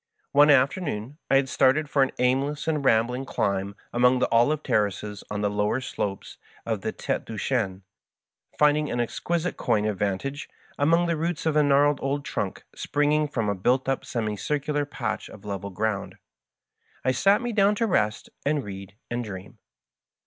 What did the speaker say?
One afternoon I had started for an aimless and rambling climb among the olive terraces on the lower slopes of the Tfete du Chien. Finding an exquisite coign of Digitized by VjOOQIC M7 FABGINATING FRIEND. 133 vantage amid the roots of a gnarled old trunk springing from a built up semicircular patch of level ground, I sat me down to rest, and read, and dream.